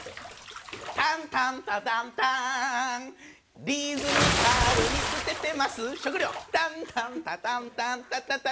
「タンタンタタンターン」「リズミカルに捨ててます食料」「タンタンタタンターンタタタタン」